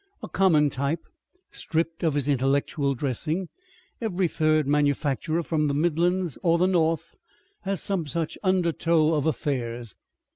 "A common type, stripped of his intellectual dressing. Every third manufacturer from the midlands or the north has some such undertow of 'affairs.